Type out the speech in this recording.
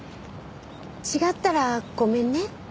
違ったらごめんね。